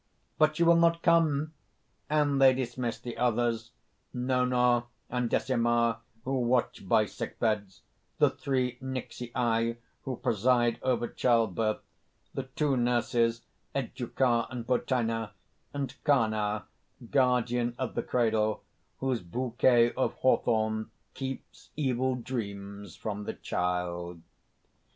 "But she will not come! and they dismiss the others: Nona and Decima who watch by sick beds; the three Nixii who preside over child birth; the two nurses, Educa and Potina; and Carna, guardian of the cradle, whose bouquet of hawthorne keeps evil dreams from the child.